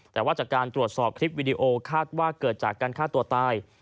แต่ว่าจากการตรวจสอบคลิปวิดีโอคาดว่าเกิดจากการฆ่าตัวตาย